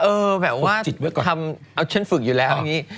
เออแบบว่าเอาฉันฝึกอยู่แล้วยังงี้